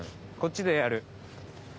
こっちでやる。